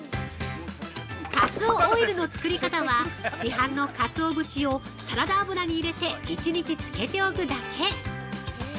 ◆カツオオイルの作り方は市販のカツオ節をサラダ油に入れて、１日つけておくだけ。